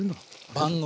万能。